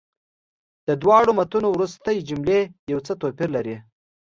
د دواړو متونو وروستۍ جملې یو څه توپیر لري.